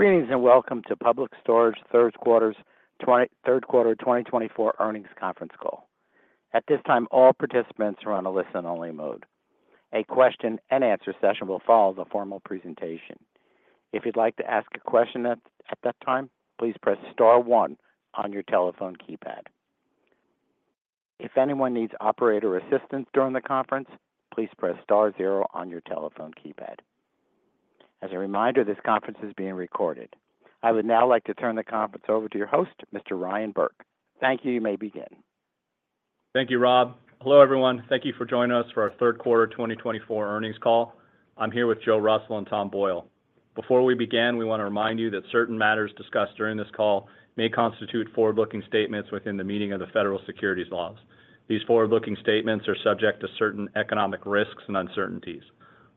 Greetings and welcome to Public Storage Third Quarter 2024 Earnings Conference Call. At this time, all participants are on a listen-only mode. A question-and-answer session will follow the formal presentation. If you'd like to ask a question at that time, please press star one on your telephone keypad. If anyone needs operator assistance during the conference, please press star zero on your telephone keypad. As a reminder, this conference is being recorded. I would now like to turn the conference over to your host, Mr. Ryan Burke. Thank you. You may begin. Thank you, Rob. Hello, everyone. Thank you for joining us for our Third Quarter 2024 earnings call. I'm here with Joe Russell and Tom Boyle. Before we begin, we want to remind you that certain matters discussed during this call may constitute forward-looking statements within the meaning of the federal securities laws. These forward-looking statements are subject to certain economic risks and uncertainties.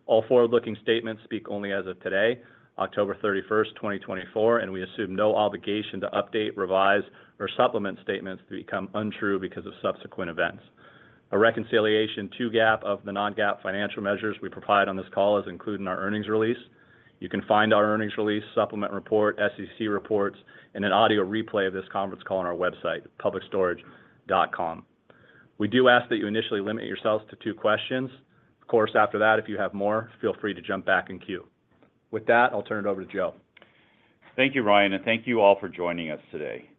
All forward-looking statements speak only as of today, October 31st, 2024, and we assume no obligation to update, revise, or supplement statements to become untrue because of subsequent events. A reconciliation to GAAP of the non-GAAP financial measures we provide on this call is included in our earnings release. You can find our earnings release, supplement report, SEC reports, and an audio replay of this conference call on our website, publicstorage.com. We do ask that you initially limit yourselves to two questions. Of course, after that, if you have more, feel free to jump back in queue. With that, I'll turn it over to Joe. Thank you, Ryan, and thank you all for joining us today.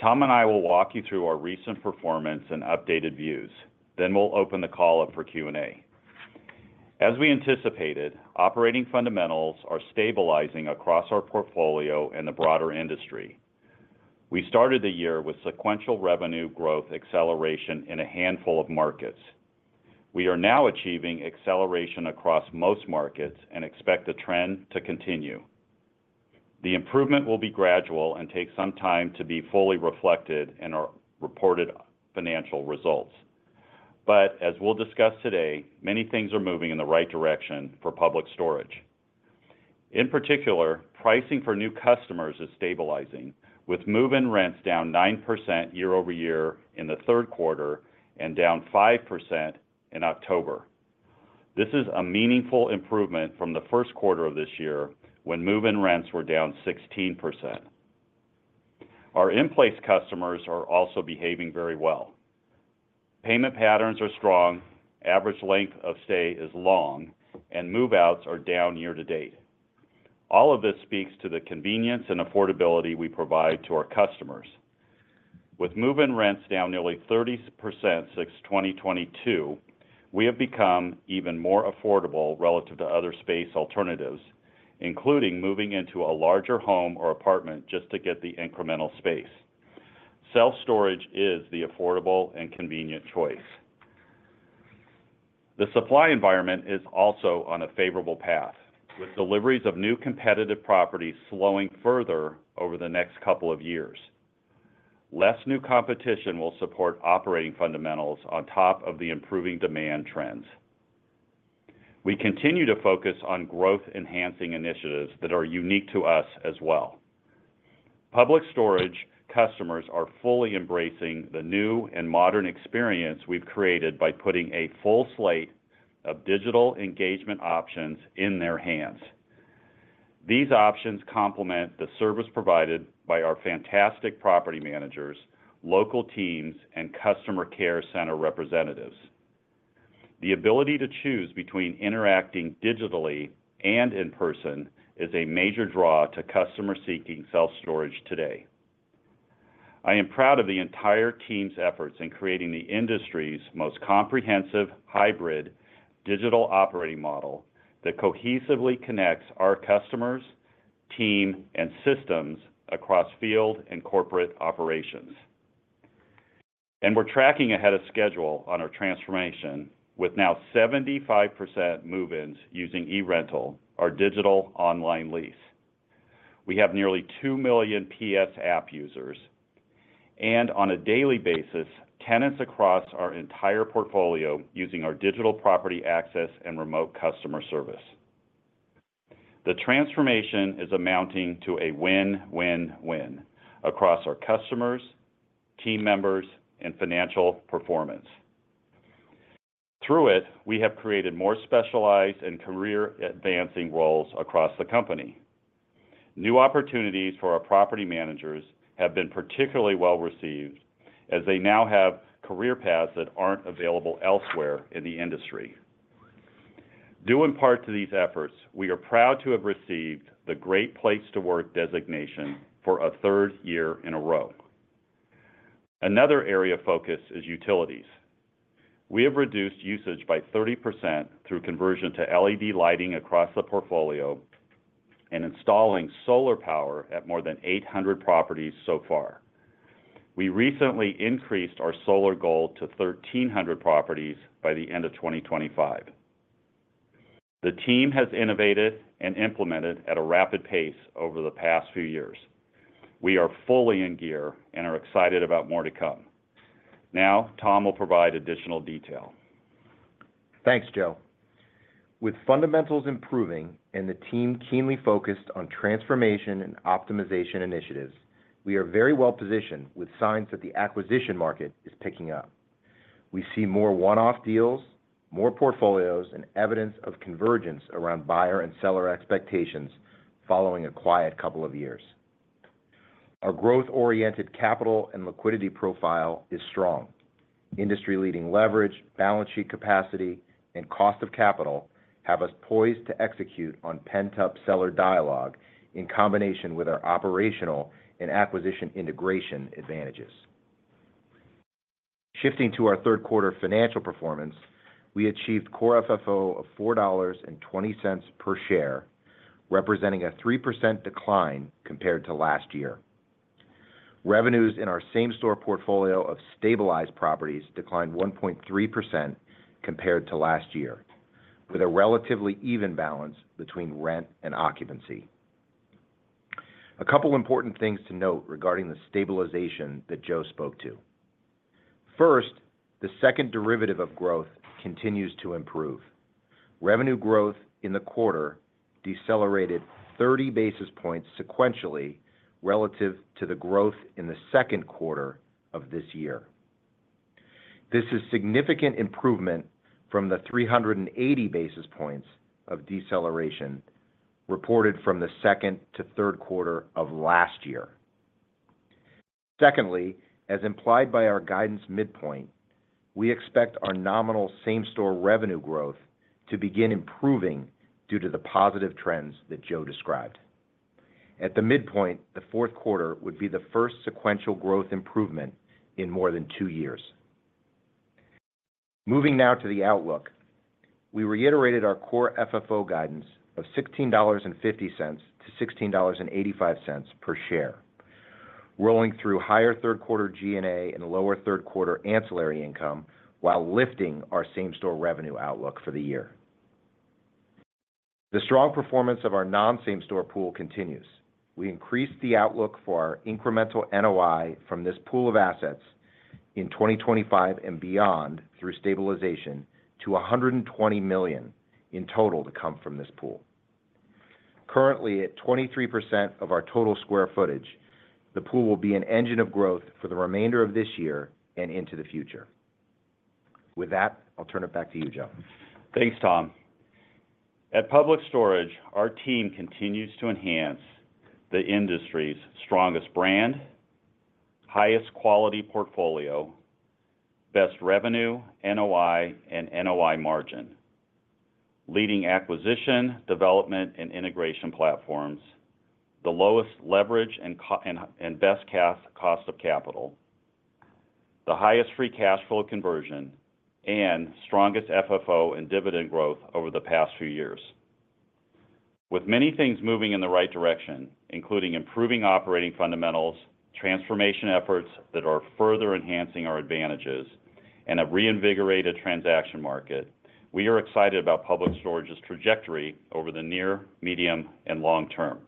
Tom and I will walk you through our recent performance and updated views. Then we'll open the call up for Q&A. As we anticipated, operating fundamentals are stabilizing across our portfolio and the broader industry. We started the year with sequential revenue growth acceleration in a handful of markets. We are now achieving acceleration across most markets and expect the trend to continue. The improvement will be gradual and take some time to be fully reflected in our reported financial results. But as we'll discuss today, many things are moving in the right direction for Public Storage. In particular, pricing for new customers is stabilizing, with move-in rents down 9% year-over-year in the third quarter and down 5% in October. This is a meaningful improvement from the first quarter of this year when move-in rents were down 16%. Our in-place customers are also behaving very well. Payment patterns are strong, average length of stay is long, and move-outs are down year to date. All of this speaks to the convenience and affordability we provide to our customers. With move-in rents down nearly 30% since 2022, we have become even more affordable relative to other space alternatives, including moving into a larger home or apartment just to get the incremental space. Self-storage is the affordable and convenient choice. The supply environment is also on a favorable path, with deliveries of new competitive properties slowing further over the next couple of years. Less new competition will support operating fundamentals on top of the improving demand trends. We continue to focus on growth-enhancing initiatives that are unique to us as well. Public Storage customers are fully embracing the new and modern experience we've created by putting a full slate of digital engagement options in their hands. These options complement the service provided by our fantastic property managers, local teams, and customer care center representatives. The ability to choose between interacting digitally and in person is a major draw to customer-seeking self-storage today. I am proud of the entire team's efforts in creating the industry's most comprehensive hybrid digital operating model that cohesively connects our customers, team, and systems across field and corporate operations, and we're tracking ahead of schedule on our transformation with now 75% move-ins using eRental, our digital online lease. We have nearly 2 million PS App users, and on a daily basis, tenants across our entire portfolio using our digital property access and remote customer service. The transformation is amounting to a win-win-win across our customers, team members, and financial performance. Through it, we have created more specialized and career-advancing roles across the company. New opportunities for our property managers have been particularly well received as they now have career paths that aren't available elsewhere in the industry. Due in part to these efforts, we are proud to have received the Great Place to Work designation for a third year in a row. Another area of focus is utilities. We have reduced usage by 30% through conversion to LED lighting across the portfolio and installing solar power at more than 800 properties so far. We recently increased our solar goal to 1,300 properties by the end of 2025. The team has innovated and implemented at a rapid pace over the past few years. We are fully in gear and are excited about more to come. Now, Tom will provide additional detail. Thanks, Joe. With fundamentals improving and the team keenly focused on transformation and optimization initiatives, we are very well positioned with signs that the acquisition market is picking up. We see more one-off deals, more portfolios, and evidence of convergence around buyer and seller expectations following a quiet couple of years. Our growth-oriented capital and liquidity profile is strong. Industry-leading leverage, balance sheet capacity, and cost of capital have us poised to execute on pent-up seller dialogue in combination with our operational and acquisition integration advantages. Shifting to our third quarter financial performance, we achieved Core FFO of $4.20 per share, representing a 3% decline compared to last year. Revenues in our Same Store portfolio of stabilized properties declined 1.3% compared to last year, with a relatively even balance between rent and occupancy. A couple of important things to note regarding the stabilization that Joe spoke to. First, the second derivative of growth continues to improve. Revenue growth in the quarter decelerated 30 basis points sequentially relative to the growth in the second quarter of this year. This is a significant improvement from the 380 basis points of deceleration reported from the second to third quarter of last year. Secondly, as implied by our guidance midpoint, we expect our nominal same store revenue growth to begin improving due to the positive trends that Joe described. At the midpoint, the fourth quarter would be the first sequential growth improvement in more than two years. Moving now to the outlook, we reiterated our core FFO guidance of $16.50-$16.85 per share, rolling through higher third quarter G&A and lower third quarter ancillary income while lifting our same store revenue outlook for the year. The strong performance of our non-same store pool continues. We increased the outlook for our incremental NOI from this pool of assets in 2025 and beyond through stabilization to $120 million in total to come from this pool. Currently, at 23% of our total square footage, the pool will be an engine of growth for the remainder of this year and into the future. With that, I'll turn it back to you, Joe. Thanks, Tom. At Public Storage, our team continues to enhance the industry's strongest brand, highest quality portfolio, best revenue, NOI, and NOI margin, leading acquisition, development, and integration platforms, the lowest leverage and best cost of capital, the highest free cash flow conversion, and strongest FFO and dividend growth over the past few years. With many things moving in the right direction, including improving operating fundamentals, transformation efforts that are further enhancing our advantages, and a reinvigorated transaction market, we are excited about Public Storage's trajectory over the near, medium, and long term.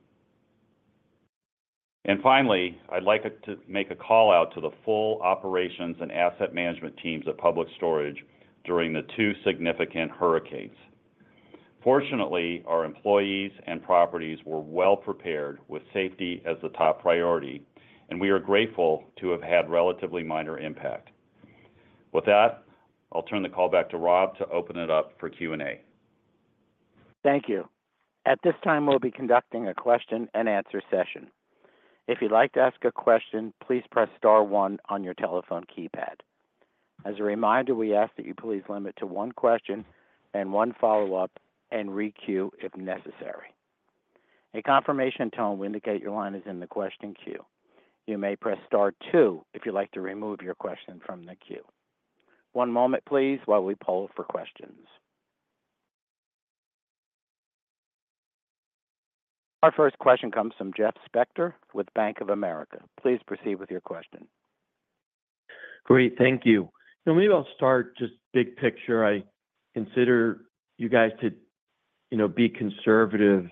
And finally, I'd like to make a call out to the full operations and asset management teams at Public Storage during the two significant hurricanes. Fortunately, our employees and properties were well prepared with safety as the top priority, and we are grateful to have had relatively minor impact. With that, I'll turn the call back to Rob to open it up for Q&A. Thank you. At this time, we'll be conducting a question-and-answer session. If you'd like to ask a question, please press star one on your telephone keypad. As a reminder, we ask that you please limit to one question and one follow-up and re-queue if necessary. A confirmation tone will indicate your line is in the question queue. You may press star two if you'd like to remove your question from the queue. One moment, please, while we poll for questions. Our first question comes from Jeff Spector with Bank of America. Please proceed with your question. Great. Thank you. Maybe I'll start just big picture. I consider you guys to be conservative,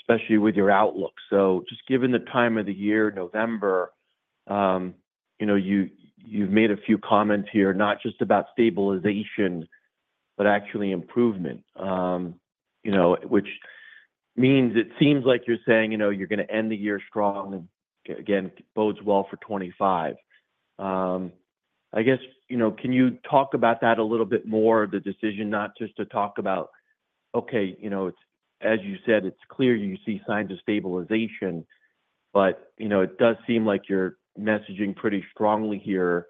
especially with your outlook. So just given the time of the year, November, you've made a few comments here, not just about stabilization, but actually improvement, which means it seems like you're saying you're going to end the year strong and again, bodes well for 2025. I guess, can you talk about that a little bit more, the decision not just to talk about, "Okay, as you said, it's clear you see signs of stabilization, but it does seem like you're messaging pretty strongly here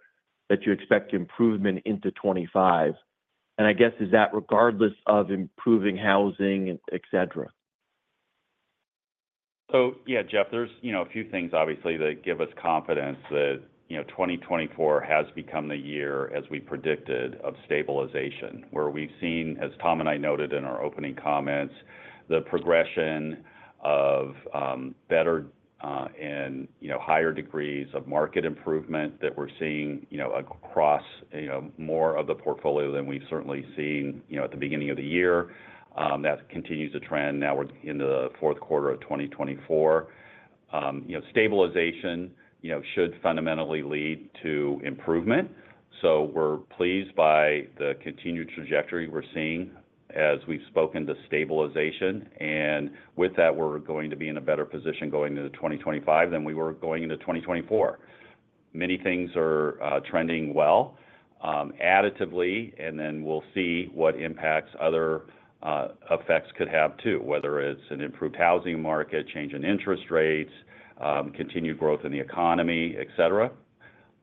that you expect improvement into 2025." And I guess, is that regardless of improving housing, etc.? So yeah, Jeff, there's a few things, obviously, that give us confidence that 2024 has become the year, as we predicted, of stabilization, where we've seen, as Tom and I noted in our opening comments, the progression of better and higher degrees of market improvement that we're seeing across more of the portfolio than we've certainly seen at the beginning of the year. That continues to trend. Now we're in the fourth quarter of 2024. Stabilization should fundamentally lead to improvement. So we're pleased by the continued trajectory we're seeing as we've spoken to stabilization. And with that, we're going to be in a better position going into 2025 than we were going into 2024. Many things are trending well additively, and then we'll see what impacts other effects could have too, whether it's an improved housing market, change in interest rates, continued growth in the economy, etc.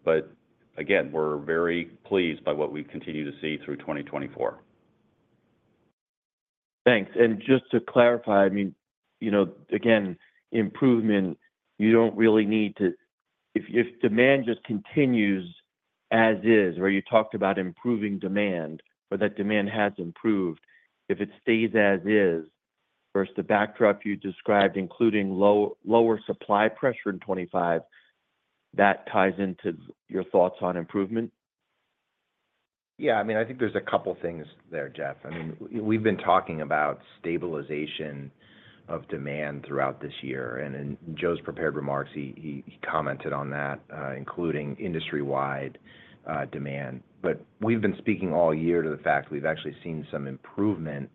But again, we're very pleased by what we continue to see through 2024. Thanks, and just to clarify, I mean, again, improvement, you don't really need to if demand just continues as is, where you talked about improving demand, but that demand has improved, if it stays as is versus the backdrop you described, including lower supply pressure in 2025, that ties into your thoughts on improvement? Yeah. I mean, I think there's a couple of things there, Jeff. I mean, we've been talking about stabilization of demand throughout this year, and in Joe's prepared remarks, he commented on that, including industry-wide demand, but we've been speaking all year to the fact we've actually seen some improvement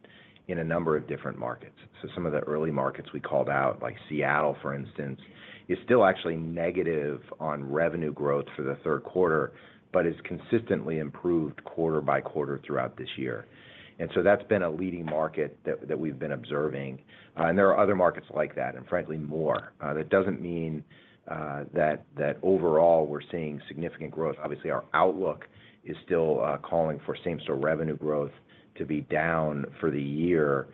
in a number of different markets, so some of the early markets we called out, like Seattle, for instance, is still actually negative on revenue growth for the third quarter, but has consistently improved quarter by quarter throughout this year, and so that's been a leading market that we've been observing, and there are other markets like that, and frankly, more. That doesn't mean that overall we're seeing significant growth. Obviously, our outlook is still calling for same-store revenue growth to be down for the year,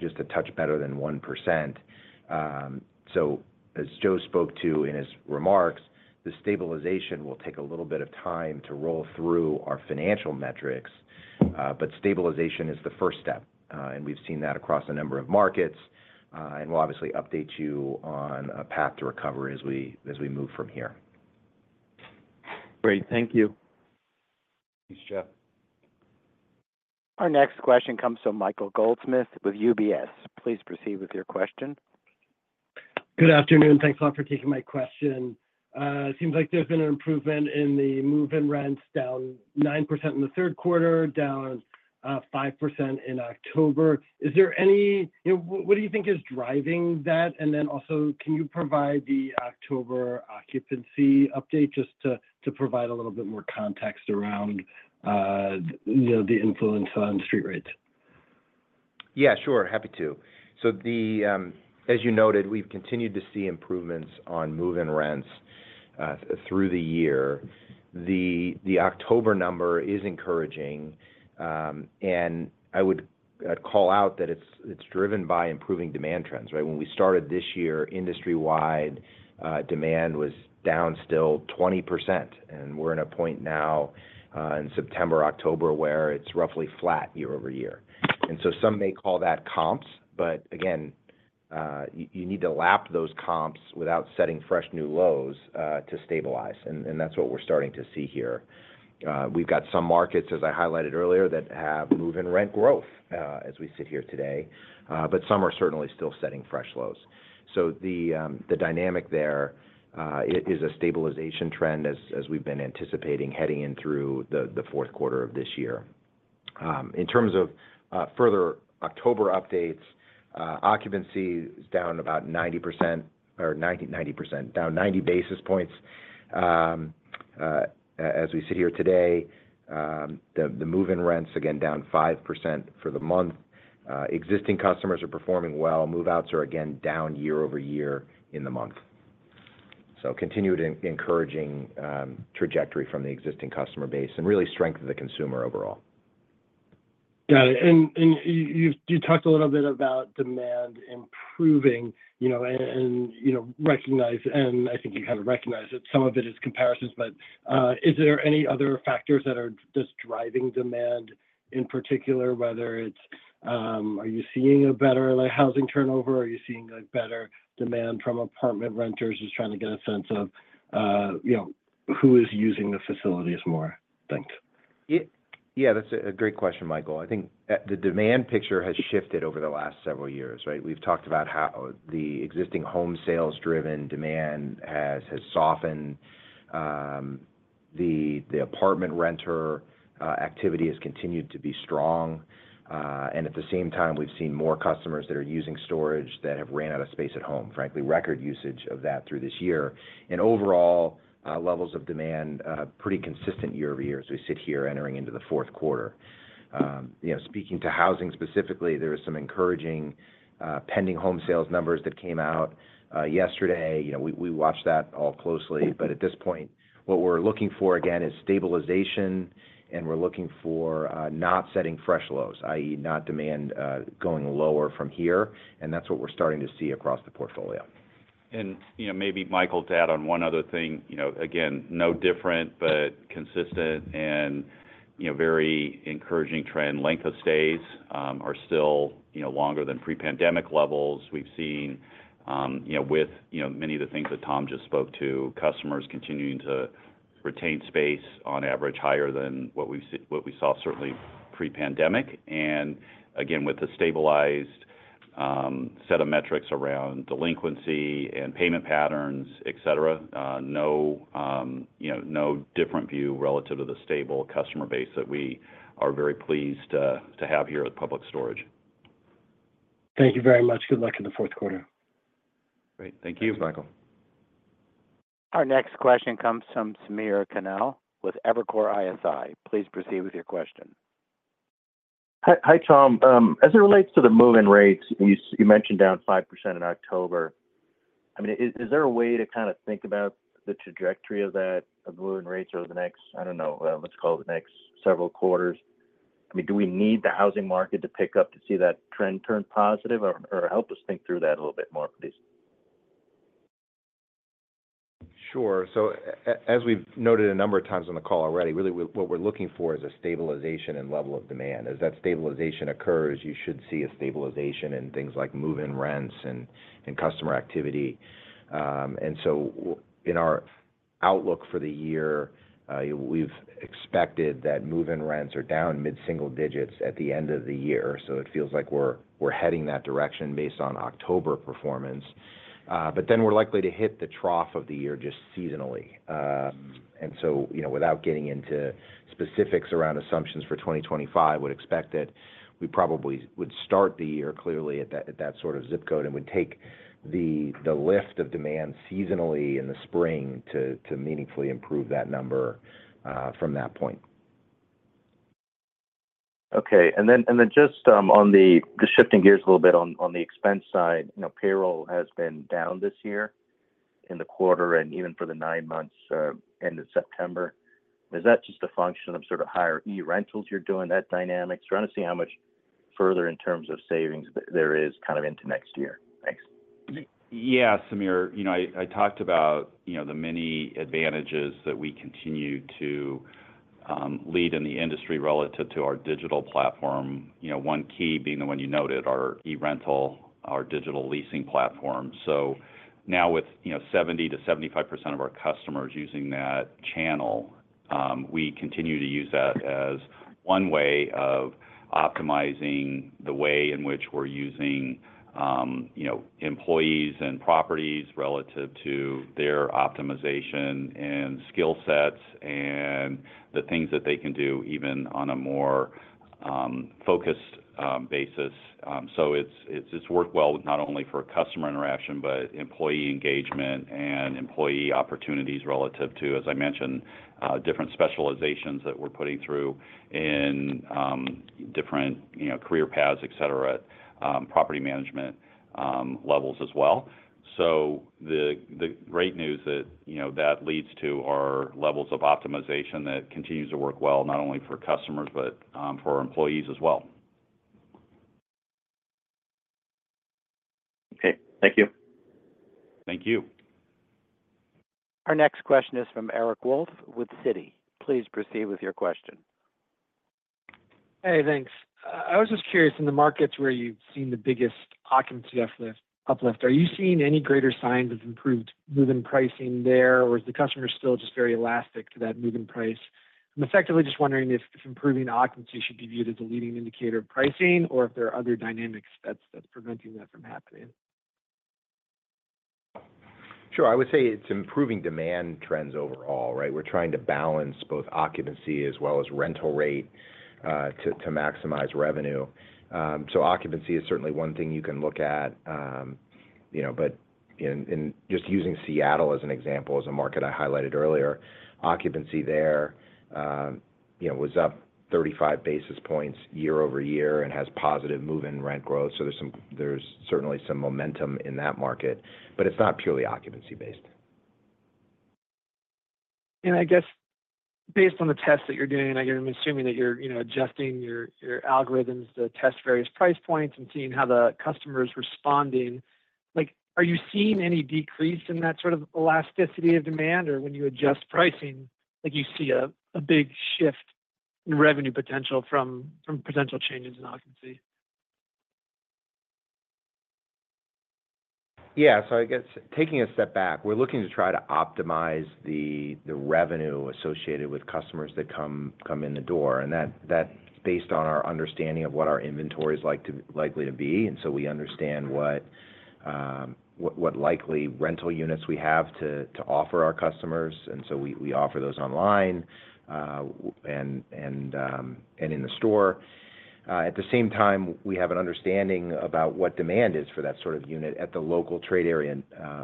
just a touch better than 1%. So as Joe spoke to in his remarks, the stabilization will take a little bit of time to roll through our financial metrics, but stabilization is the first step. And we've seen that across a number of markets. And we'll obviously update you on a path to recovery as we move from here. Great. Thank you. Thanks, Jeff. Our next question comes from Michael Goldsmith with UBS. Please proceed with your question. Good afternoon. Thanks a lot for taking my question. It seems like there's been an improvement in the move-in rents, down 9% in the third quarter, down 5% in October. Is there anything? What do you think is driving that? And then also, can you provide the October occupancy update just to provide a little bit more context around the influence on street rates? Yeah, sure. Happy to. So as you noted, we've continued to see improvements on move-in rents through the year. The October number is encouraging. And I would call out that it's driven by improving demand trends, right? When we started this year, industry-wide demand was down still 20%. And we're in a point now in September, October where it's roughly flat year-over-year. And so some may call that comps, but again, you need to lap those comps without setting fresh new lows to stabilize. And that's what we're starting to see here. We've got some markets, as I highlighted earlier, that have move-in rent growth as we sit here today, but some are certainly still setting fresh lows. So the dynamic there is a stabilization trend as we've been anticipating heading in through the fourth quarter of this year. In terms of further October updates, occupancy is down about 90% or 90%, down 90 basis points as we sit here today. The move-in rents, again, down 5% for the month. Existing customers are performing well. Move-outs are, again, down year-over-year in the month. So continued encouraging trajectory from the existing customer base and really strength of the consumer overall. Got it. And you talked a little bit about demand improving and recognized, and I think you kind of recognized that some of it is comparisons, but is there any other factors that are just driving demand in particular, whether it's are you seeing a better housing turnover? Are you seeing better demand from apartment renters? Just trying to get a sense of who is using the facilities more, thanks. Yeah, that's a great question, Michael. I think the demand picture has shifted over the last several years, right? We've talked about how the existing home sales-driven demand has softened. The apartment renter activity has continued to be strong. And at the same time, we've seen more customers that are using storage that have ran out of space at home, frankly, record usage of that through this year. And overall, levels of demand are pretty consistent year-over-year as we sit here entering into the fourth quarter. Speaking to housing specifically, there are some encouraging pending home sales numbers that came out yesterday. We watched that all closely. But at this point, what we're looking for, again, is stabilization, and we're looking for not setting fresh lows, i.e., not demand going lower from here. And that's what we're starting to see across the portfolio. And maybe, Michael, to add on one other thing. Again, no different, but consistent and very encouraging trend. Length of stays are still longer than pre-pandemic levels. We've seen, with many of the things that Tom just spoke to, customers continuing to retain space on average higher than what we saw certainly pre-pandemic. And again, with the stabilized set of metrics around delinquency and payment patterns, etc., no different view relative to the stable customer base that we are very pleased to have here at Public Storage. Thank you very much. Good luck in the fourth quarter. Great. Thank you, Michael. Our next question comes from Samir Khanal with Evercore ISI. Please proceed with your question. Hi, Tom. As it relates to the move-in rates, you mentioned down 5% in October. I mean, is there a way to kind of think about the trajectory of that, of move-in rates over the next, I don't know, let's call it the next several quarters? I mean, do we need the housing market to pick up to see that trend turn positive? Or help us think through that a little bit more, please. Sure. So as we've noted a number of times on the call already, really what we're looking for is a stabilization in level of demand. As that stabilization occurs, you should see a stabilization in things like move-in rents and customer activity. And so in our outlook for the year, we've expected that move-in rents are down mid-single digits at the end of the year. So it feels like we're heading that direction based on October performance. But then we're likely to hit the trough of the year just seasonally. And so without getting into specifics around assumptions for 2025, we'd expect that we probably would start the year clearly at that sort of zip code and would take the lift of demand seasonally in the spring to meaningfully improve that number from that point. Okay. And then just on the shifting gears a little bit on the expense side, payroll has been down this year in the quarter and even for the nine months end of September. Is that just a function of sort of higher eRentals you're doing, that dynamic? So we're going to see how much further in terms of savings there is kind of into next year. Thanks. Yeah, Samir, I talked about the many advantages that we continue to lead in the industry relative to our digital platform. One key being the one you noted, our eRental, our digital leasing platform. Now with 70% to 75% of our customers using that channel, we continue to use that as one way of optimizing the way in which we're using employees and properties relative to their optimization and skill sets and the things that they can do even on a more focused basis. It's worked well not only for customer interaction, but employee engagement and employee opportunities relative to, as I mentioned, different specializations that we're putting through in different career paths, etc., property management levels as well. The great news that leads to our levels of optimization continues to work well not only for customers, but for employees as well. Okay. Thank you. Thank you. Our next question is from Eric Wolfe with Citi. Please proceed with your question. Hey, thanks. I was just curious, in the markets where you've seen the biggest occupancy uplift, are you seeing any greater signs of improved move-in pricing there, or is the customer still just very elastic to that move-in price? I'm effectively just wondering if improving occupancy should be viewed as a leading indicator of pricing or if there are other dynamics that's preventing that from happening. Sure. I would say it's improving demand trends overall, right? We're trying to balance both occupancy as well as rental rate to maximize revenue. So occupancy is certainly one thing you can look at. But in just using Seattle as an example, as a market I highlighted earlier, occupancy there was up 35 basis points year-over-year and has positive move-in rent growth. So there's certainly some momentum in that market, but it's not purely occupancy-based. I guess based on the tests that you're doing, I'm assuming that you're adjusting your algorithms to test various price points and seeing how the customer's responding. Are you seeing any decrease in that sort of elasticity of demand? Or when you adjust pricing, you see a big shift in revenue potential from potential changes in occupancy? Yeah. So I guess taking a step back, we're looking to try to optimize the revenue associated with customers that come in the door. And that's based on our understanding of what our inventory is likely to be. And so we understand what likely rental units we have to offer our customers. And so we offer those online and in the store. At the same time, we have an understanding about what demand is for that sort of unit at the local trade area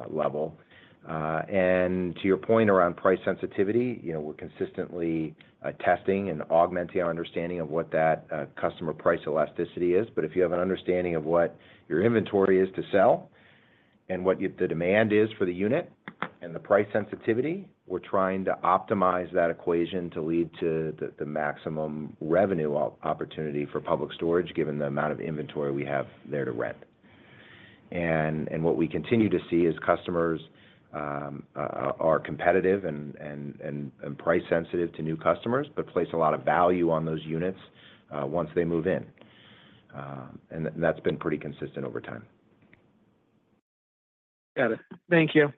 level. And to your point around price sensitivity, we're consistently testing and augmenting our understanding of what that customer price elasticity is. But if you have an understanding of what your inventory is to sell and what the demand is for the unit and the price sensitivity, we're trying to optimize that equation to lead to the maximum revenue opportunity for Public Storage given the amount of inventory we have there to rent. And what we continue to see is customers are competitive and price-sensitive to new customers but place a lot of value on those units once they move in. And that's been pretty consistent over time. Got it. Thank you.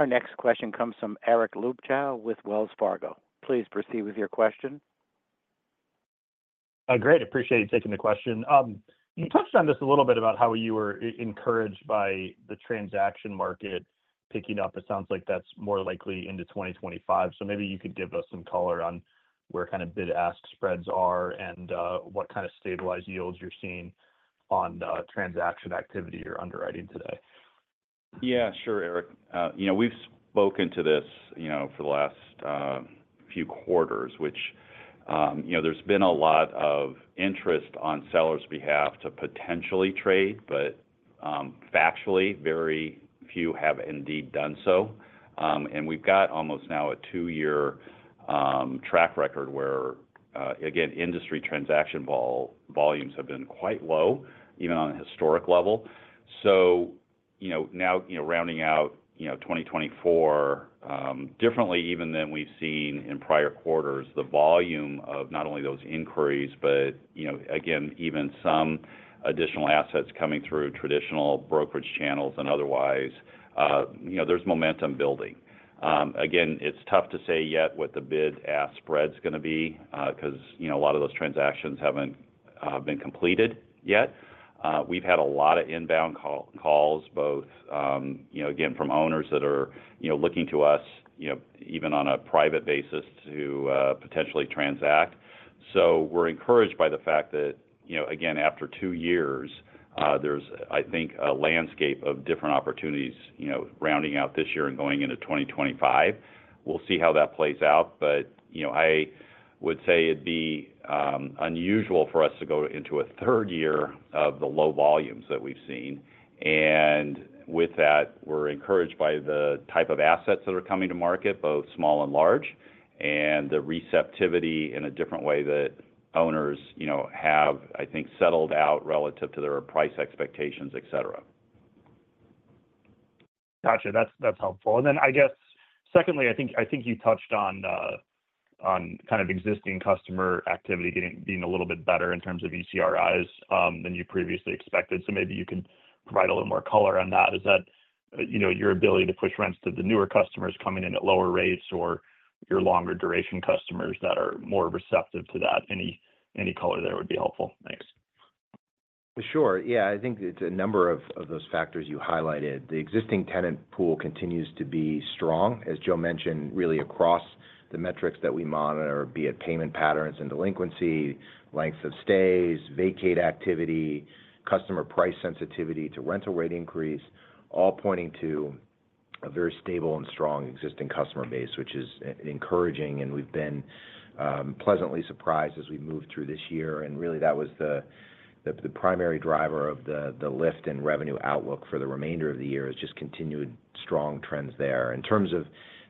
Our next question comes from Eric Luebchow with Wells Fargo. Please proceed with your question. Great. Appreciate you taking the question. You touched on this a little bit about how you were encouraged by the transaction market picking up. It sounds like that's more likely into 2025. So maybe you could give us some color on where kind of bid-ask spreads are and what kind of stabilized yields you're seeing on transaction activity or underwriting today. Yeah, sure, Eric. We've spoken to this for the last few quarters, which there's been a lot of interest on sellers' behalf to potentially trade, but factually, very few have indeed done so. And we've got almost now a two-year track record where, again, industry transaction volumes have been quite low, even on a historic level. So now rounding out 2024 differently, even than we've seen in prior quarters, the volume of not only those inquiries, but again, even some additional assets coming through traditional brokerage channels and otherwise, there's momentum building. Again, it's tough to say yet what the bid-ask spread's going to be because a lot of those transactions haven't been completed yet. We've had a lot of inbound calls, both, again, from owners that are looking to us, even on a private basis, to potentially transact. So we're encouraged by the fact that, again, after two years, there's, I think, a landscape of different opportunities rounding out this year and going into 2025. We'll see how that plays out, but I would say it'd be unusual for us to go into a third year of the low volumes that we've seen. And with that, we're encouraged by the type of assets that are coming to market, both small and large, and the receptivity in a different way that owners have, I think, settled out relative to their price expectations, etc. Gotcha. That's helpful. And then I guess, secondly, I think you touched on kind of existing customer activity being a little bit better in terms of ECRIs than you previously expected. So maybe you can provide a little more color on that. Is that your ability to push rents to the newer customers coming in at lower rates or your longer duration customers that are more receptive to that? Any color there would be helpful. Thanks. Sure. Yeah. I think it's a number of those factors you highlighted. The existing tenant pool continues to be strong, as Joe mentioned, really across the metrics that we monitor, be it payment patterns and delinquency, length of stays, vacate activity, customer price sensitivity to rental rate increase, all pointing to a very stable and strong existing customer base, which is encouraging, and we've been pleasantly surprised as we moved through this year, and really, that was the primary driver of the lift in revenue outlook for the remainder of the year is just continued strong trends there. In terms of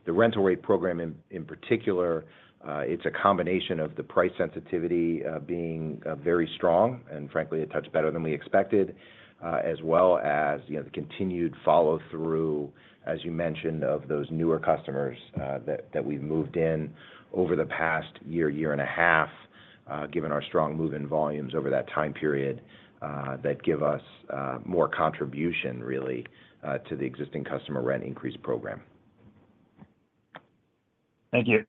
the rental rate program in particular, it's a combination of the price sensitivity being very strong. Frankly, it touched better than we expected, as well as the continued follow-through, as you mentioned, of those newer customers that we've moved in over the past year, year and a half, given our strong move-in volumes over that time period that give us more contribution, really, to the existing customer rent increase program. Thank you.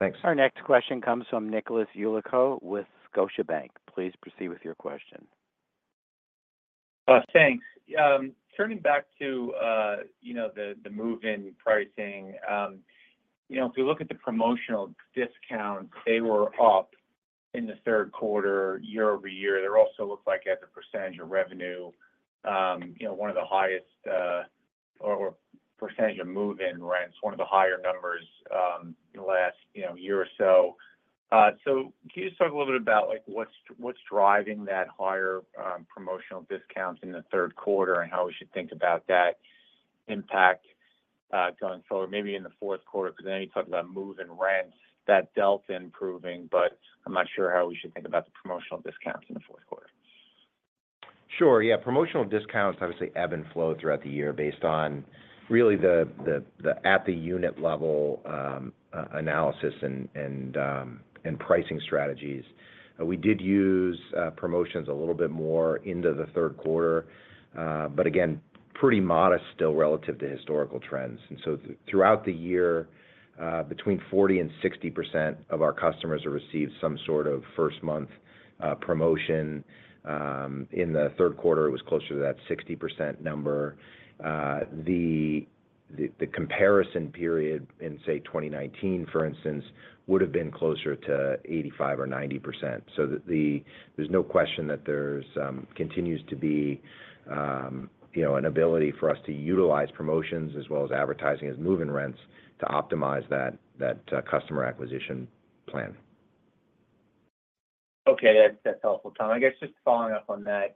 Thanks. Our next question comes from Nicholas Yulico with Scotiabank. Please proceed with your question. Thanks. Turning back to the move-in pricing, if you look at the promotional discounts, they were up in the third quarter year-over-year. They're also looking like at the percentage of revenue, one of the highest or percentage of move-in rents, one of the higher numbers in the last year or so. So can you just talk a little bit about what's driving that higher promotional discounts in the third quarter and how we should think about that impact going forward, maybe in the fourth quarter? Because I know you talked about move-in rent delta is improving, but I'm not sure how we should think about the promotional discounts in the fourth quarter. Sure. Yeah. Promotional discounts, obviously, ebb and flow throughout the year based on really the at-the-unit-level analysis and pricing strategies. We did use promotions a little bit more into the third quarter, but again, pretty modest still relative to historical trends. And so throughout the year, between 40% and 60% of our customers have received some sort of first-month promotion. In the third quarter, it was closer to that 60% number. The comparison period in, say, 2019, for instance, would have been closer to 85% or 90%. So there's no question that there continues to be an ability for us to utilize promotions as well as advertising as move-in rents to optimize that customer acquisition plan. Okay. That's helpful, Tom. I guess just following up on that,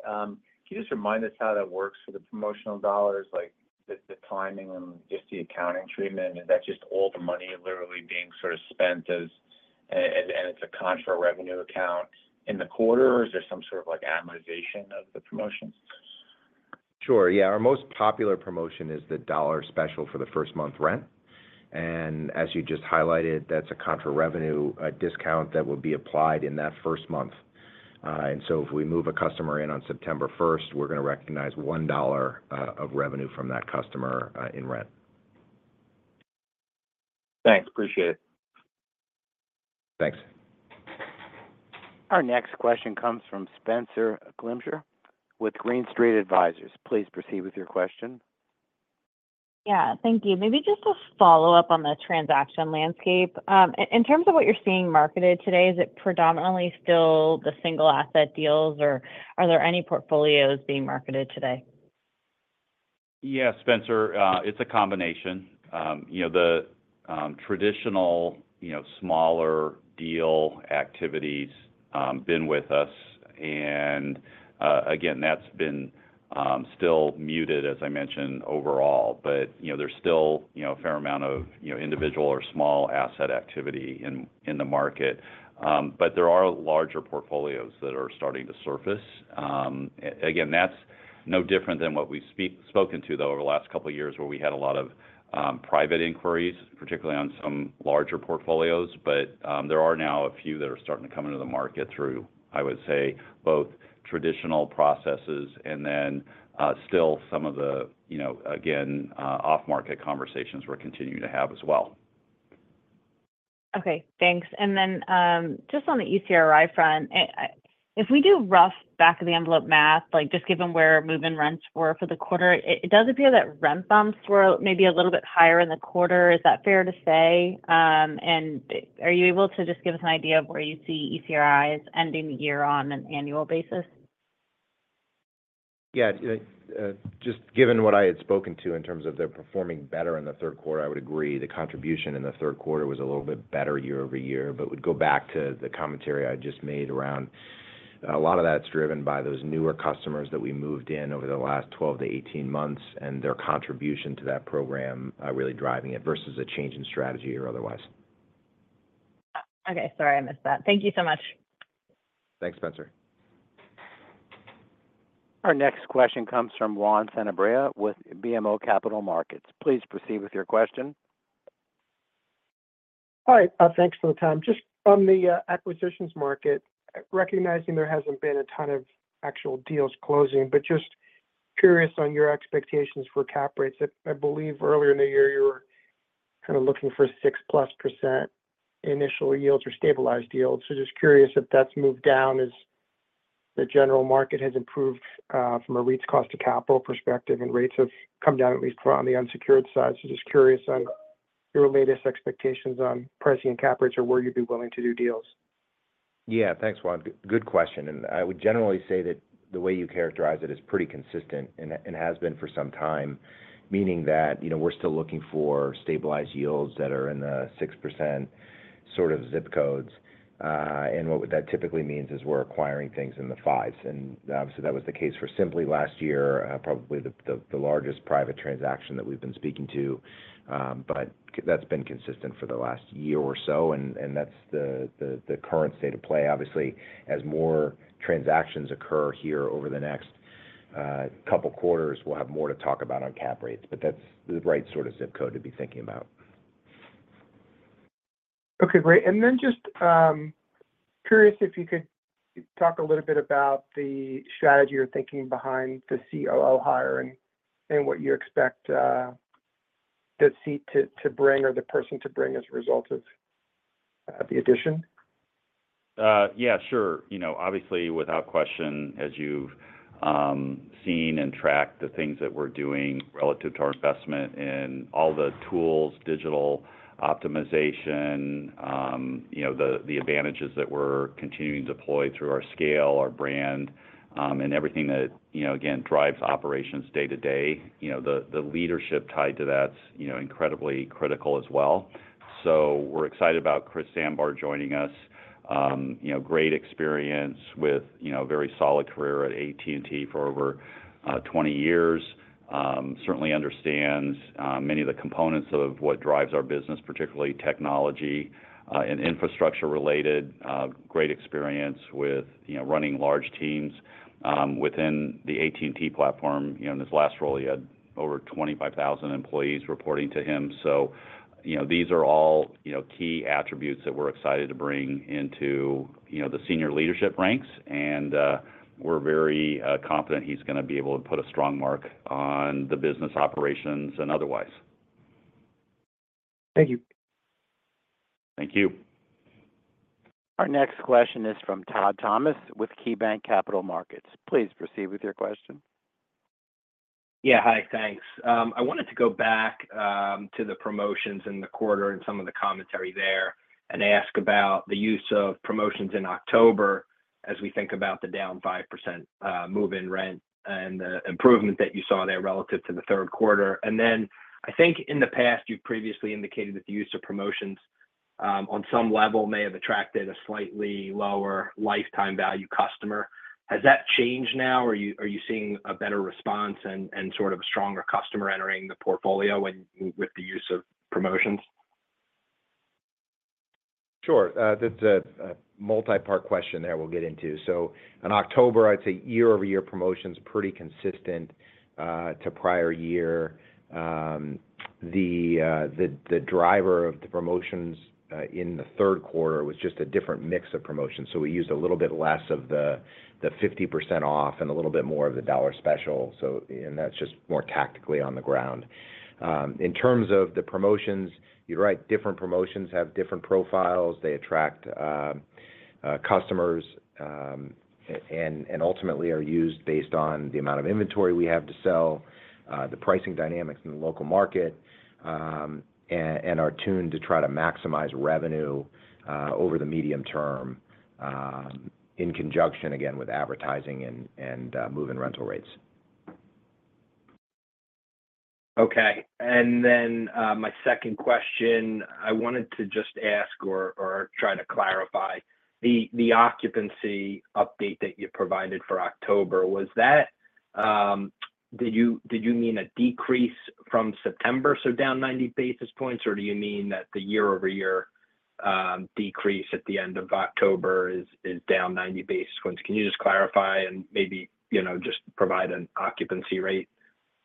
can you just remind us how that works for the promotional dollars, the timing and just the accounting treatment? Is that just all the money literally being sort of spent as and it's a contra revenue account in the quarter, or is there some sort of amortization of the promotions? Sure. Yeah. Our most popular promotion is the dollar special for the first-month rent. And as you just highlighted, that's a contra revenue discount that will be applied in that first month. And so if we move a customer in on September 1st, we're going to recognize $1 of revenue from that customer in rent. Thanks. Appreciate it. Thanks. Our next question comes from Spenser Allaway with Green Street Advisors. Please proceed with your question. Yeah. Thank you. Maybe just a follow-up on the transaction landscape. In terms of what you're seeing marketed today, is it predominantly still the single-asset deals, or are there any portfolios being marketed today? Yeah, Spenser. It's a combination. The traditional smaller deal activity has been with us, and again, that's been still muted, as I mentioned, overall. But there's still a fair amount of individual or small-asset activity in the market. But there are larger portfolios that are starting to surface. Again, that's no different than what we've spoken to, though, over the last couple of years where we had a lot of private inquiries, particularly on some larger portfolios. But there are now a few that are starting to come into the market through, I would say, both traditional processes and then still some of the, again, off-market conversations we're continuing to have as well. Okay. Thanks, and then just on the ECRI front, if we do rough back-of-the-envelope math, just given where move-in rents were for the quarter, it does appear that rent bumps were maybe a little bit higher in the quarter. Is that fair to say? And are you able to just give us an idea of where you see ECRIs ending the year on an annual basis? Yeah. Just given what I had spoken to in terms of them performing better in the third quarter, I would agree the contribution in the third quarter was a little bit better year-over-year. But we'd go back to the commentary I just made around a lot of that's driven by those newer customers that we moved in over the last 12-18 months and their contribution to that program really driving it versus a change in strategy or otherwise. Okay. Sorry, I missed that. Thank you so much. Thanks, Spencer. Our next question comes from Juan Sanabria with BMO Capital Markets. Please proceed with your question. Hi. Thanks for the time. Just on the acquisitions market, recognizing there hasn't been a ton of actual deals closing, but just curious on your expectations for cap rates. I believe earlier in the year, you were kind of looking for 6-plus% initial yields or stabilized yields. So just curious if that's moved down as the general market has improved from a REIT's cost-to-capital perspective and rates have come down at least on the unsecured side. So just curious on your latest expectations on pricing and cap rates or where you'd be willing to do deals? Yeah. Thanks, Juan. Good question. And I would generally say that the way you characterize it is pretty consistent and has been for some time, meaning that we're still looking for stabilized yields that are in the 6% sort of zip codes. And what that typically means is we're acquiring things in the fives. And obviously, that was the case for Simply last year, probably the largest private transaction that we've been speaking to. But that's been consistent for the last year or so. And that's the current state of play. Obviously, as more transactions occur here over the next couple of quarters, we'll have more to talk about on cap rates. But that's the right sort of zip code to be thinking about. Okay. Great. And then just curious if you could talk a little bit about the strategy or thinking behind the COO hire and what you expect that seat to bring or the person to bring as a result of the addition? Yeah, sure. Obviously, without question, as you've seen and tracked the things that we're doing relative to our investment in all the tools, digital optimization, the advantages that we're continuing to deploy through our scale, our brand, and everything that, again, drives operations day to day. The leadership tied to that's incredibly critical as well. So we're excited about Chris Sambar joining us. Great experience with a very solid career at AT&T for over 20 years. Certainly understands many of the components of what drives our business, particularly technology and infrastructure-related. Great experience with running large teams within the AT&T platform. In his last role, he had over 25,000 employees reporting to him. So these are all key attributes that we're excited to bring into the senior leadership ranks, and we're very confident he's going to be able to put a strong mark on the business operations and otherwise. Thank you. Thank you. Our next question is from Todd Thomas with KeyBanc Capital Markets. Please proceed with your question. Yeah. Hi. Thanks. I wanted to go back to the promotions in the quarter and some of the commentary there and ask about the use of promotions in October as we think about the down 5% move-in rent and the improvement that you saw there relative to the third quarter, and then I think in the past, you've previously indicated that the use of promotions on some level may have attracted a slightly lower lifetime value customer. Has that changed now? Are you seeing a better response and sort of a stronger customer entering the portfolio with the use of promotions? Sure. That's a multi-part question that we'll get into. So in October, I'd say year-over-year promotions are pretty consistent to prior year. The driver of the promotions in the third quarter was just a different mix of promotions. So we used a little bit less of the 50% off and a little bit more of the dollar special. And that's just more tactically on the ground. In terms of the promotions, you're right. Different promotions have different profiles. They attract customers and ultimately are used based on the amount of inventory we have to sell, the pricing dynamics in the local market, and are tuned to try to maximize revenue over the medium term in conjunction, again, with advertising and move-in rental rates. Okay. And then my second question, I wanted to just ask or try to clarify the occupancy update that you provided for October. Did you mean a decrease from September, so down 90 basis points, or do you mean that the year-over-year decrease at the end of October is down 90 basis points? Can you just clarify and maybe just provide an occupancy rate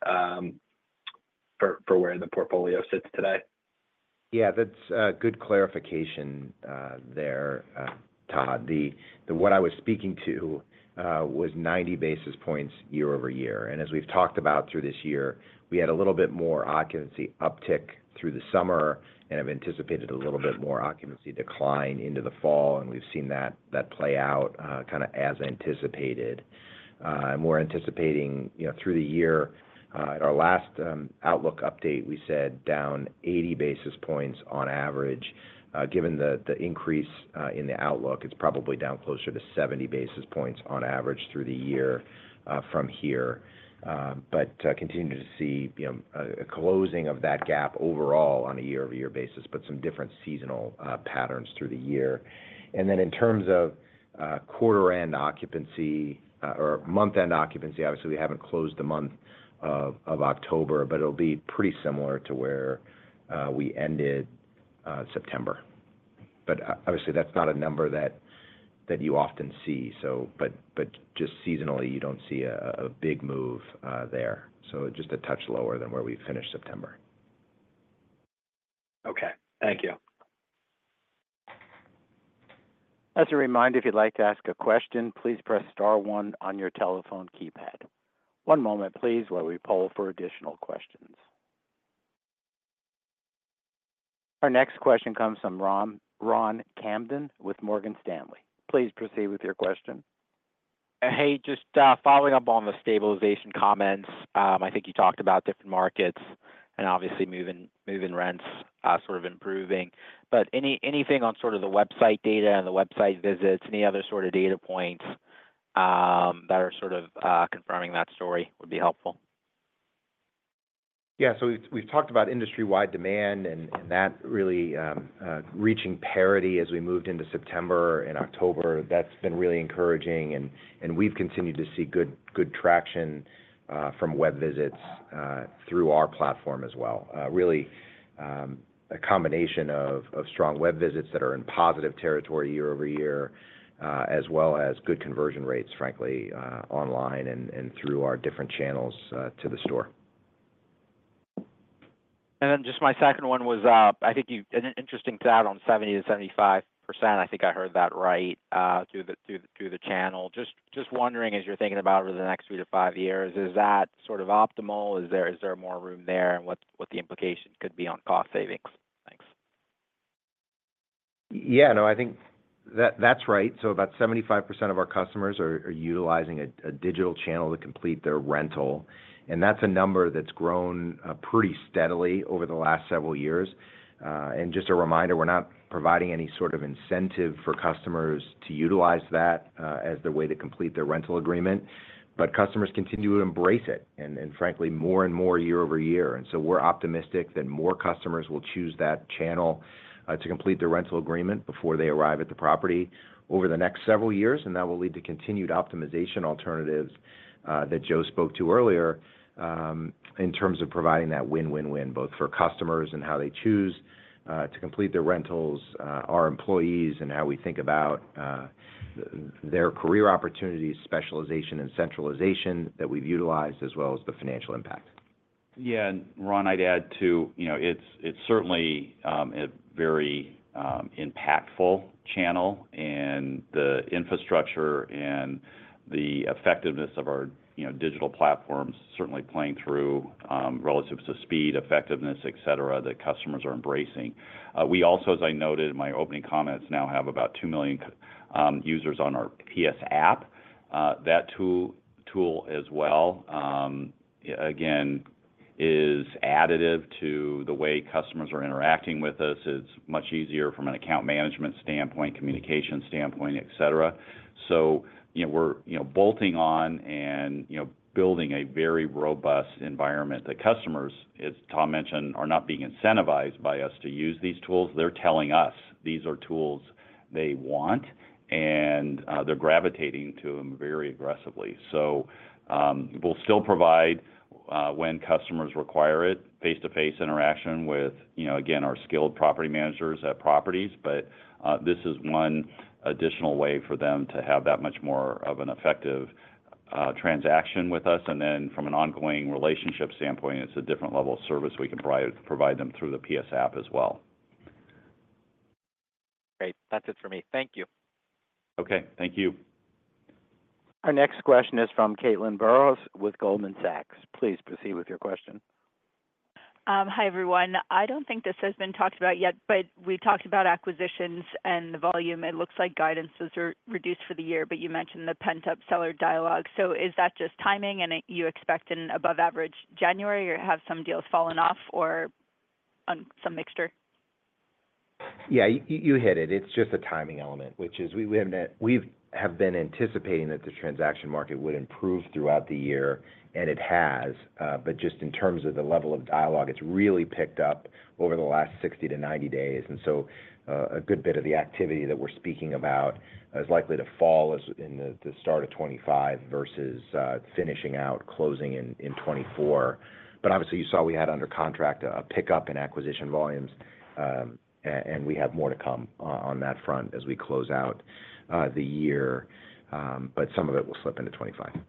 for where the portfolio sits today? Yeah. That's a good clarification there, Todd. What I was speaking to was 90 basis points year-over-year. And as we've talked about through this year, we had a little bit more occupancy uptick through the summer, and I've anticipated a little bit more occupancy decline into the fall. And we've seen that play out kind of as anticipated. And we're anticipating through the year, at our last Outlook update, we said down 80 basis points on average. Given the increase in the Outlook, it's probably down closer to 70 basis points on average through the year from here. But continue to see a closing of that gap overall on a year-over-year basis, but some different seasonal patterns through the year. And then in terms of quarter-end occupancy or month-end occupancy, obviously, we haven't closed the month of October, but it'll be pretty similar to where we ended September. But obviously, that's not a number that you often see. But just seasonally, you don't see a big move there. So just a touch lower than where we finished September. Okay. Thank you. As a reminder, if you'd like to ask a question, please press star one on your telephone keypad. One moment, please, while we poll for additional questions. Our next question comes from Ron Kamdem with Morgan Stanley. Please proceed with your question. Hey, just following up on the stabilization comments. I think you talked about different markets and obviously move-in rents sort of improving. But anything on sort of the website data and the website visits, any other sort of data points that are sort of confirming that story would be helpful. Yeah. So we've talked about industry-wide demand and that really reaching parity as we moved into September and October. That's been really encouraging. And we've continued to see good traction from web visits through our platform as well. Really a combination of strong web visits that are in positive territory year-over-year as well as good conversion rates, frankly, online and through our different channels to the store. And then just my second one was, I think an interesting stat on 70%-75%. I think I heard that right through the channel. Just wondering, as you're thinking about over the next three to five years, is that sort of optimal? Is there more room there and what the implication could be on cost savings? Thanks. Yeah. No, I think that's right. So about 75% of our customers are utilizing a digital channel to complete their rental. And that's a number that's grown pretty steadily over the last several years. And just a reminder, we're not providing any sort of incentive for customers to utilize that as their way to complete their rental agreement. But customers continue to embrace it and, frankly, more and more year-over-year. And so we're optimistic that more customers will choose that channel to complete their rental agreement before they arrive at the property over the next several years. And that will lead to continued optimization alternatives that Joe spoke to earlier in terms of providing that win-win-win, both for customers and how they choose to complete their rentals, our employees, and how we think about their career opportunities, specialization, and centralization that we've utilized, as well as the financial impact. Yeah. And Juan, I'd add too, it's certainly a very impactful channel. And the infrastructure and the effectiveness of our digital platforms certainly playing through relative to speed, effectiveness, etc., that customers are embracing. We also, as I noted in my opening comments, now have about two million users on our PS App. That tool as well, again, is additive to the way customers are interacting with us. It's much easier from an account management standpoint, communication standpoint, etc. So we're bolting on and building a very robust environment that customers, as Tom mentioned, are not being incentivized by us to use these tools. They're telling us these are tools they want, and they're gravitating to them very aggressively. So we'll still provide, when customers require it, face-to-face interaction with, again, our skilled property managers at properties. This is one additional way for them to have that much more of an effective transaction with us. Then from an ongoing relationship standpoint, it's a different level of service we can provide them through the PS App as well. Great. That's it for me. Thank you. Okay. Thank you. Our next question is from Caitlin Burrows with Goldman Sachs. Please proceed with your question. Hi, everyone. I don't think this has been talked about yet, but we talked about acquisitions and the volume. It looks like guidance is reduced for the year, but you mentioned the pent-up seller dialogue. So is that just timing and you expect an above-average January, or have some deals fallen off or some mixture? Yeah. You hit it. It's just a timing element, which is we have been anticipating that the transaction market would improve throughout the year, and it has. But just in terms of the level of dialogue, it's really picked up over the last 60 to 90 days. And so a good bit of the activity that we're speaking about is likely to fall in the start of 2025 versus finishing out, closing in 2024. But obviously, you saw we had under contract a pickup in acquisition volumes, and we have more to come on that front as we close out the year. But some of it will slip into 2025.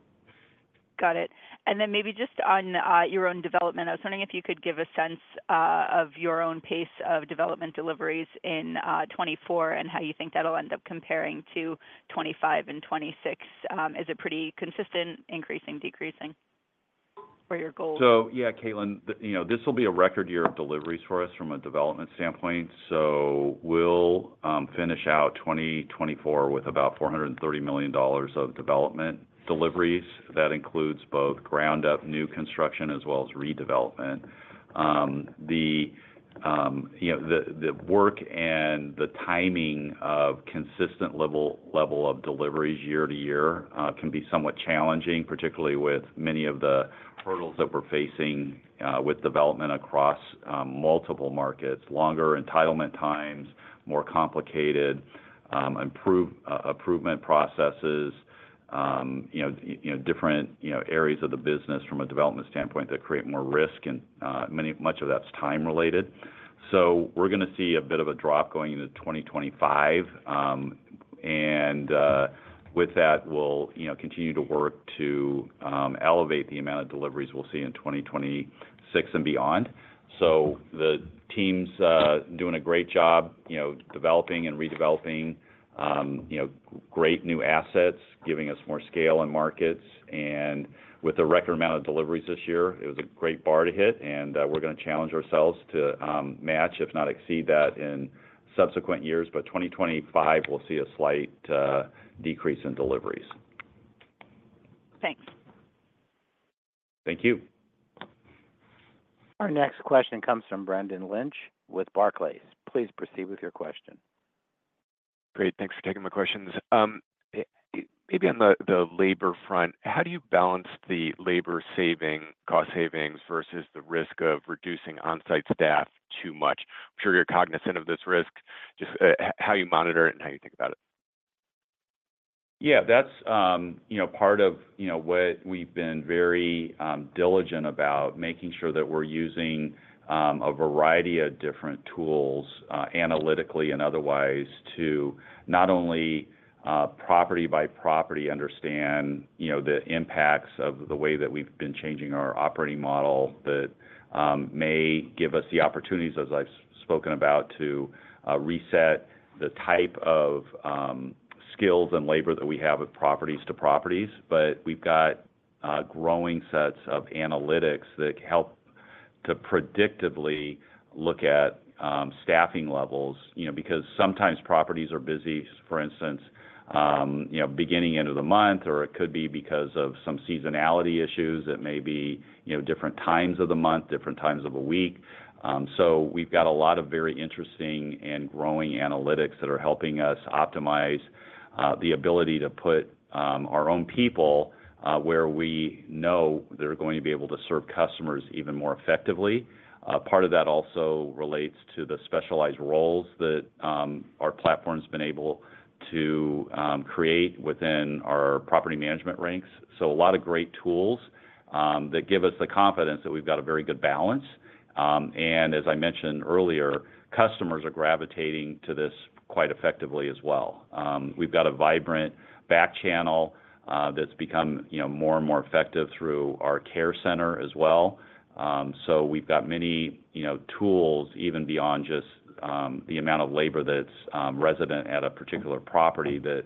Got it. And then maybe just on your own development, I was wondering if you could give a sense of your own pace of development deliveries in 2024 and how you think that'll end up comparing to 2025 and 2026. Is it pretty consistent, increasing, decreasing, or your goal? So yeah, Caitlin, this will be a record year of deliveries for us from a development standpoint. So we'll finish out 2024 with about $430 million of development deliveries. That includes both ground-up new construction as well as redevelopment. The work and the timing of consistent level of deliveries year-to-year can be somewhat challenging, particularly with many of the hurdles that we're facing with development across multiple markets, longer entitlement times, more complicated improvement processes, different areas of the business from a development standpoint that create more risk, and much of that's time-related. So we're going to see a bit of a drop going into 2025. And with that, we'll continue to work to elevate the amount of deliveries we'll see in 2026 and beyond. So the team's doing a great job developing and redeveloping great new assets, giving us more scale in markets. With a record amount of deliveries this year, it was a great bar to hit. We're going to challenge ourselves to match, if not exceed that in subsequent years. 2025, we'll see a slight decrease in deliveries. Thanks. Thank you. Our next question comes from Brendan Lynch with Barclays. Please proceed with your question. Great. Thanks for taking my questions. Maybe on the labor front, how do you balance the labor saving, cost savings versus the risk of reducing on-site staff too much? I'm sure you're cognizant of this risk, just how you monitor it and how you think about it. Yeah. That's part of what we've been very diligent about, making sure that we're using a variety of different tools analytically and otherwise to not only property by property understand the impacts of the way that we've been changing our operating model that may give us the opportunities, as I've spoken about, to reset the type of skills and labor that we have with properties to properties. But we've got growing sets of analytics that help to predictably look at staffing levels because sometimes properties are busy, for instance, beginning into the month, or it could be because of some seasonality issues. It may be different times of the month, different times of the week. So we've got a lot of very interesting and growing analytics that are helping us optimize the ability to put our own people where we know they're going to be able to serve customers even more effectively. Part of that also relates to the specialized roles that our platform has been able to create within our property management ranks. So a lot of great tools that give us the confidence that we've got a very good balance. And as I mentioned earlier, customers are gravitating to this quite effectively as well. We've got a vibrant back channel that's become more and more effective through our care center as well. So we've got many tools even beyond just the amount of labor that's resident at a particular property that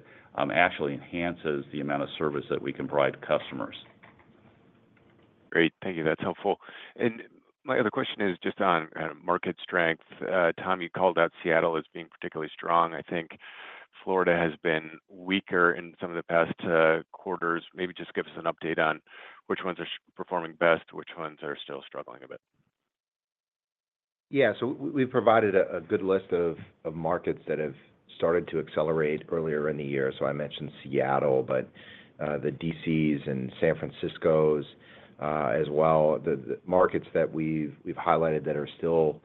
actually enhances the amount of service that we can provide customers. Great. Thank you. That's helpful. And my other question is just on market strength. Tom, you called out Seattle as being particularly strong. I think Florida has been weaker in some of the past quarters. Maybe just give us an update on which ones are performing best, which ones are still struggling a bit. Yeah. So we've provided a good list of markets that have started to accelerate earlier in the year. So I mentioned Seattle, but the D.C.s and San Franciscos as well. The markets that we've highlighted that are still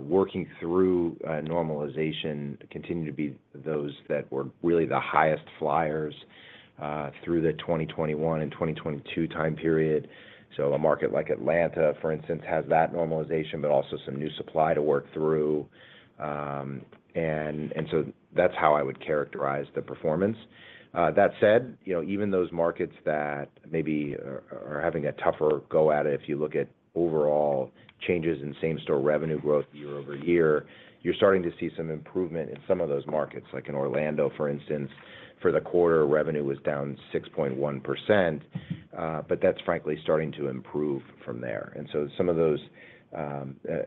working through normalization continue to be those that were really the highest flyers through the 2021 and 2022 time period. So a market like Atlanta, for instance, has that normalization, but also some new supply to work through. And so that's how I would characterize the performance. That said, even those markets that maybe are having a tougher go at it, if you look at overall changes in same-store revenue growth year-over-year, you're starting to see some improvement in some of those markets. Like in Orlando, for instance, for the quarter, revenue was down 6.1%. But that's frankly starting to improve from there. And so some of those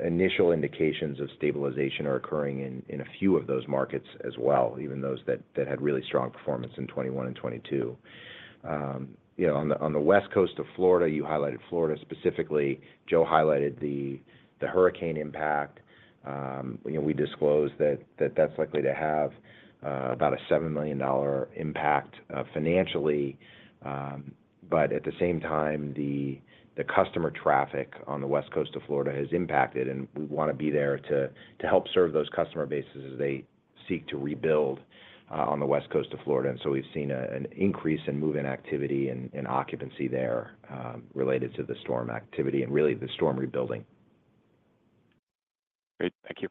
initial indications of stabilization are occurring in a few of those markets as well, even those that had really strong performance in 2021 and 2022. On the west coast of Florida, you highlighted Florida specifically. Joe highlighted the hurricane impact. We disclosed that that's likely to have about a $7 million impact financially. But at the same time, the customer traffic on the west coast of Florida has impacted. And we want to be there to help serve those customer bases as they seek to rebuild on the west coast of Florida. And so we've seen an increase in move-in activity and occupancy there related to the storm activity and really the storm rebuilding. Great. Thank you.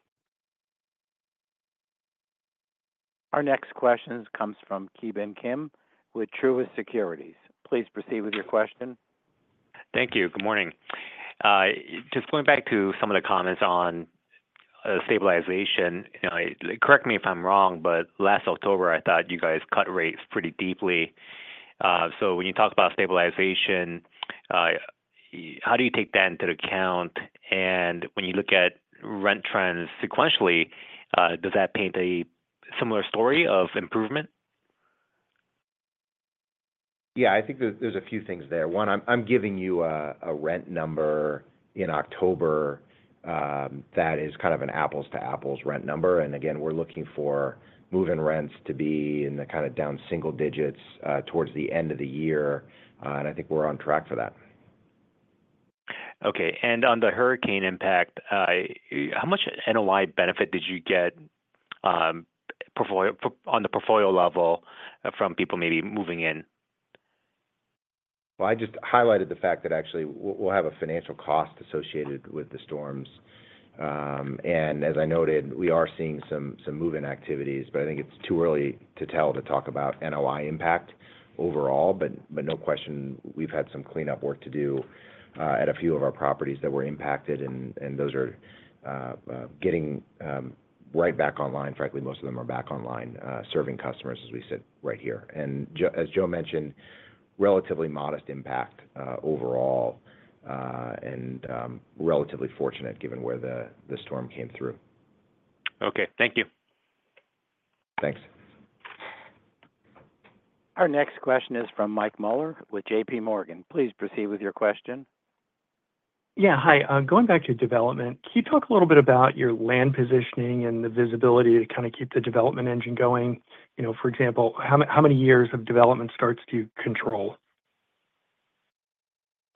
Our next question comes from Ki Bin Kim with Truist Securities. Please proceed with your question. Thank you. Good morning. Just going back to some of the comments on stabilization, correct me if I'm wrong, but last October, I thought you guys cut rates pretty deeply. So when you talk about stabilization, how do you take that into account? And when you look at rent trends sequentially, does that paint a similar story of improvement? Yeah. I think there's a few things there. One, I'm giving you a rent number in October that is kind of an apples-to-apples rent number. And again, we're looking for move-in rents to be in the kind of down single digits towards the end of the year. And I think we're on track for that. Okay. And on the hurricane impact, how much NOI benefit did you get on the portfolio level from people maybe moving in? Well, I just highlighted the fact that actually we'll have a financial cost associated with the storms. And as I noted, we are seeing some move-in activities. But I think it's too early to tell to talk about NOI impact overall. But no question, we've had some cleanup work to do at a few of our properties that were impacted. And those are getting right back online. Frankly, most of them are back online serving customers as we sit right here. And as Joe mentioned, relatively modest impact overall and relatively fortunate given where the storm came through. Okay. Thank you. Thanks. Our next question is from Michael Mueller with J.P. Morgan. Please proceed with your question. Yeah. Hi. Going back to development, can you talk a little bit about your land positioning and the visibility to kind of keep the development engine going? For example, how many years of development starts do you control?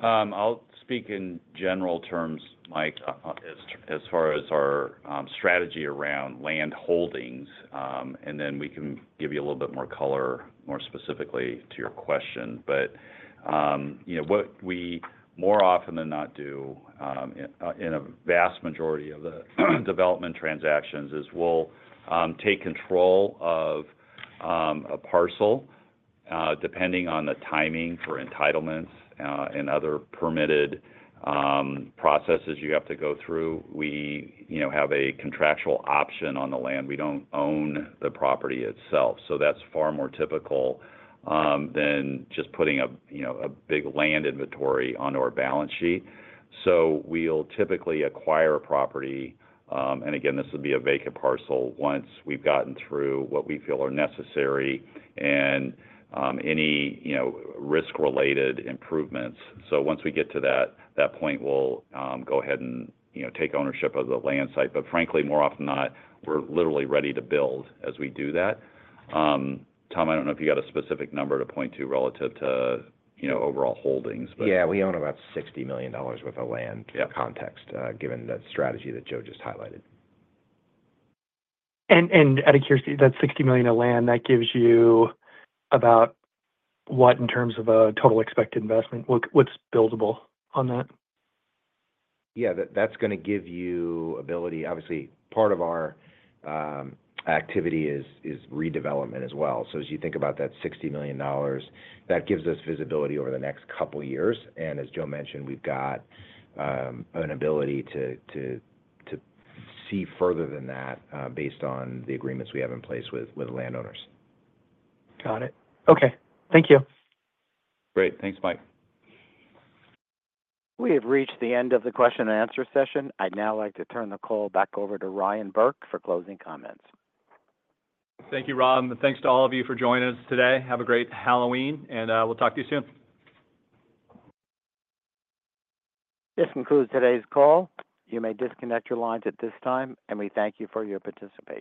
I'll speak in general terms, Mike, as far as our strategy around land holdings, and then we can give you a little bit more color, more specifically to your question. What we more often than not do in a vast majority of the development transactions is we'll take control of a parcel. Depending on the timing for entitlements and other permitted processes you have to go through, we have a contractual option on the land. We don't own the property itself. That's far more typical than just putting a big land inventory on our balance sheet. We'll typically acquire a property. Again, this would be a vacant parcel once we've gotten through what we feel are necessary and any risk-related improvements. Once we get to that point, we'll go ahead and take ownership of the land site. But frankly, more often than not, we're literally ready to build as we do that. Tom, I don't know if you got a specific number to point to relative to overall holdings, but. Yeah. We own about $60 million worth of land in context, given the strategy that Joe just highlighted. Out of curiosity, that $60 million of land, that gives you about what in terms of a total expected investment? What's buildable on that? Yeah. That's going to give you ability. Obviously, part of our activity is redevelopment as well. So as you think about that $60 million, that gives us visibility over the next couple of years. And as Joe mentioned, we've got an ability to see further than that based on the agreements we have in place with landowners. Got it. Okay. Thank you. Great. Thanks, Mike. We have reached the end of the question-and-answer session. I'd now like to turn the call back over to Ryan Burke for closing comments. Thank you, Rob. And thanks to all of you for joining us today. Have a great Halloween, and we'll talk to you soon. This concludes today's call. You may disconnect your lines at this time, and we thank you for your participation.